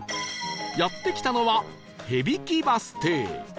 やって来たのは蛇木バス停